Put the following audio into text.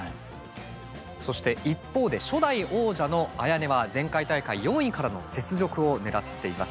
そして一方で初代王者のＡＹＡＮＥは前回大会４位からの雪辱を狙っています。